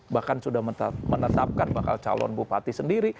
bahkan sudah menetapkan bakal calon bupati sendiri